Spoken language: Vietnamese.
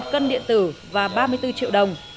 một cân điện tử và ba mươi bốn triệu đồng